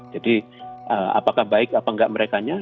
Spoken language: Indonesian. jadi apakah baik atau tidak merekanya